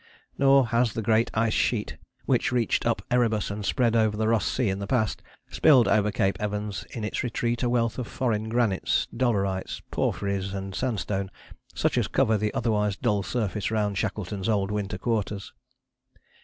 Nor has the Great Ice Sheet, which reached up Erebus and spread over the Ross Sea in the past, spilled over Cape Evans in its retreat a wealth of foreign granites, dolerites, porphyrys and sandstone such as cover the otherwise dull surface round Shackleton's old Winter Quarters.